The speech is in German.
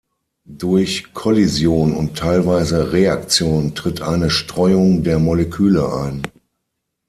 Durch Kollision und teilweise Reaktion tritt eine Streuung der Moleküle ein.